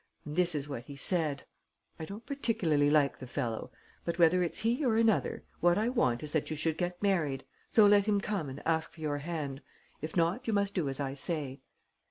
And this is what he said: 'I don't particularly like the fellow. But, whether it's he or another, what I want is that you should get married. So let him come and ask for your hand. If not, you must do as I say.'